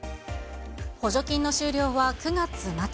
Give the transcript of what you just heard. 補助金の終了は９月末。